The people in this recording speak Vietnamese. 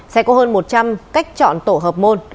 sẽ có hơn một trăm linh cách chọn tổ hợp môn